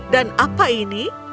dan apa ini